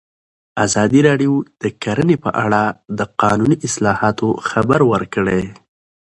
ازادي راډیو د کرهنه په اړه د قانوني اصلاحاتو خبر ورکړی.